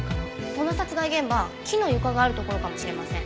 その殺害現場木の床がある所かもしれません。